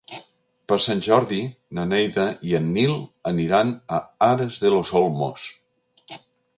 Per Sant Jordi na Neida i en Nil aniran a Aras de los Olmos.